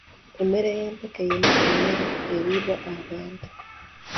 Emmere ey'empeke y'emu ku mmere eriibwa abantu.